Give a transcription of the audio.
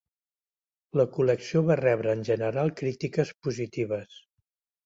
La col·lecció va rebre en general crítiques positives.